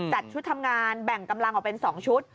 จัดชุดทำงานแบ่งกำลังออกเป็น๒ชุด